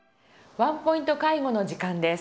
「ワンポイント介護」の時間です。